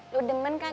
lu demen kakak